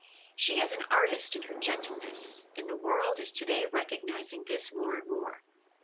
She is an artist in her gentleness, and the world is today recognizing this more and more.